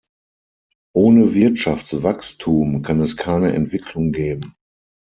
Ohne Wirtschaftswachstum kann es keine Entwicklung geben.